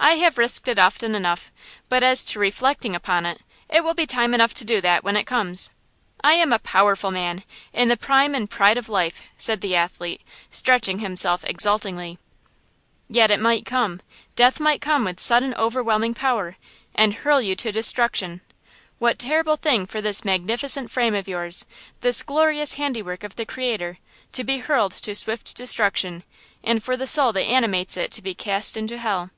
"I have risked it often enough; but as to reflecting upon it–it will be time enough to do that when it comes! I am a powerful man, in the prime and pride of life," said the athlete, stretching himself exultingly. "Yet it might come–death might come with sudden overwhelming power, and hurl you to destruction! What a terrible thing for this magnificent frame of yours, this glorious handiwork of the Creator, to be hurled to swift destruction, and for the soul that animates it to be cast into hell!"